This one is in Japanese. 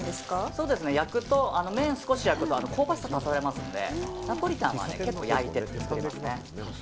そうですね、麺を少し焼くと香ばしさが足されますのでナポリタンは結構焼いてる人いますね。